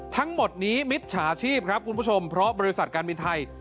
ทั้งหมดนี้มิจฉาชีพครับคุณผู้ชมเพราะบริษัทการบินไทย